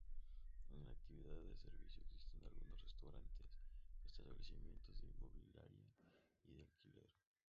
En la actividad de servicios existen algunos restaurantes, establecimientos de inmobiliaria y de alquiler.